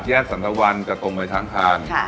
จากแยกสันตะวันกับตรงไว้ช้างทาน